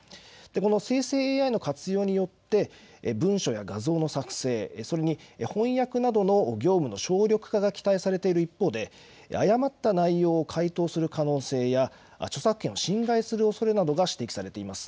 この生成ＡＩの活用によって文書や画像の作成、それに翻訳などの業務の省力化が期待されている一方で誤った内容を回答する可能性や著作権を侵害するおそれなどが指摘されています。